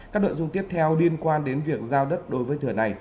các nội dung tiếp theo liên quan đến việc giao đất đối với thửa này